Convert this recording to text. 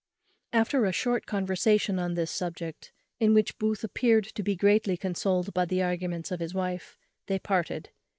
After a short conversation on this subject, in which Booth appeared to be greatly consoled by the arguments of his wife, they parted.